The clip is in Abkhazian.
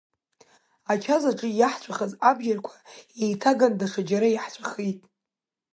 Ачаз аҿы иаҳҵәахыз абџьарқәа еиҭаганы даҽаџьара иаҳҵәахит…